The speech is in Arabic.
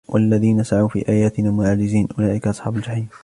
والذين سعوا في آياتنا معاجزين أولئك أصحاب الجحيم